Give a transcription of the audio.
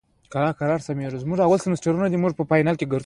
د شبکې کارۍ اره د ظریفو او نریو تختو پرېکولو لپاره ده.